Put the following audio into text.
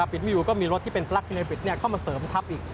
ปิดไม่อยู่ก็มีรถที่เป็นปลั๊กที่ในปิดเข้ามาเสริมทัพอีก